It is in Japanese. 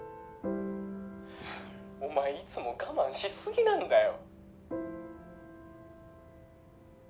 お前いつも我慢し過ぎなんだよ。